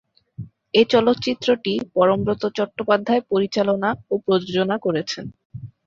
এ চলচ্চিত্রটি য পরমব্রত চট্টোপাধ্যায় পরিচালনা ও প্রযোজনা করেছেন।